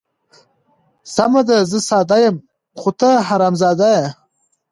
سمه ده زه ساده یم، خو ته حرام زاده یې.